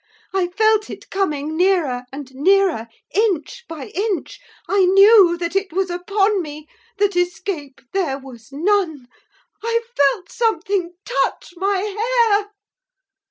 I felt it coming nearer and nearer, inch by inch; I knew that it was upon me, that escape there was none; I felt something touch my hair.